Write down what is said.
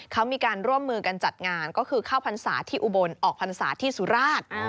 เขามีการร่วมมือกันจัดงานก็คือเข้าพรรษาที่อุบลออกพรรษาที่สุราช